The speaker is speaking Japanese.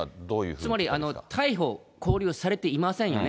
つまり逮捕・勾留されていませんよね。